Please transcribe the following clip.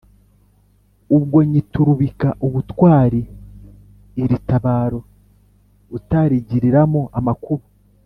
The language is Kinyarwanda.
Ubwo nyiturubika ubutwali iri tabaro utarigiriramo amakuba.